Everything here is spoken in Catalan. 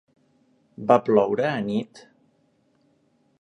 ¿Va ploure anit?